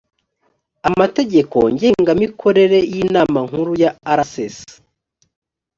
amategeko ngengamikorere y inama nkuru ya rcs